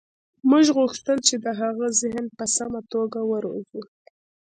موږ غوښتل چې د هغه ذهن په سمه توګه وروزو